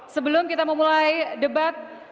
sebelum kita memulai debat